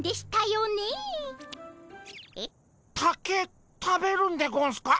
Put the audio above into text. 竹食べるんでゴンスか？